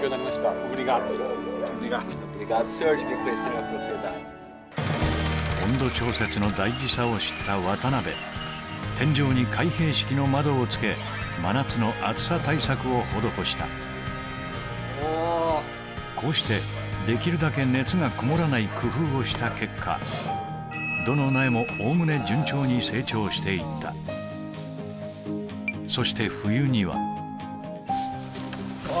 オブリガード温度調節の大事さを知った渡辺天井に開閉式の窓をつけ真夏の暑さ対策を施したこうしてできるだけ熱がこもらない工夫をした結果どの苗もおおむね順調に成長していったそして冬にはうわ